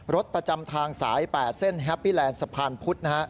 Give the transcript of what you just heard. ประจำทางสาย๘เส้นแฮปปี้แลนด์สะพานพุธนะฮะ